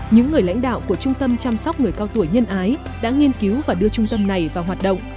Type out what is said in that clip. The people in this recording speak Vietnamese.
những người lãnh đạo của trung tâm chăm sóc người cao tuổi nhân ái đã nghiên cứu và đưa trung tâm này vào hoạt động